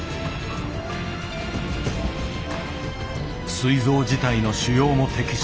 すい臓自体の腫瘍も摘出。